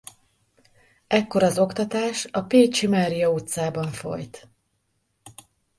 Ekkor az oktatás a pécsi Mária utcában folyt.